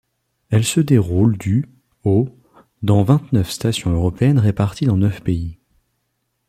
Elle se déroule du au dans vingt-neuf stations européennes réparties dans neuf pays.